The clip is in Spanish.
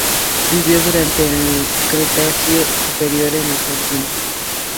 Vivió durante el Cretácico Superior en Argentina.